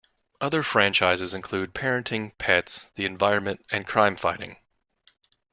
Other franchises include parenting, pets, the environment, and crime fighting.